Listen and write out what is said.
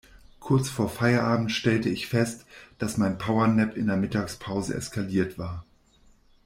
Kurz vor Feierabend stellte ich fest, dass mein Powernap in der Mittagspause eskaliert war.